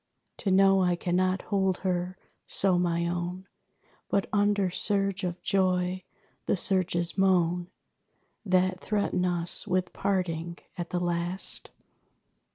To know I cannot hold her so my own, But under surge of joy, the surges moan That threaten us with parting at the last!